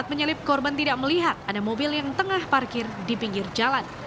saat menyalip korban tidak melihat ada mobil yang tengah parkir di pinggir jalan